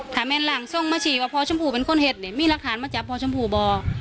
ถ้าแม่นหลังส่งมาชี้ว่าพ่อชมพู่เป็นคนเห็ดนี่มีหลักฐานมาจับพ่อชมพู่บอก